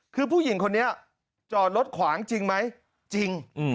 คือผู้หญิงคนนี้จอดรถขวางจริงไหมจริง